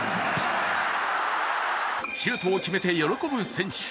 シュートを決めて喜ぶ選手。